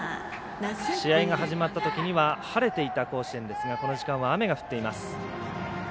試合が始まったときには晴れていた甲子園ですがこの時間は雨が降っています。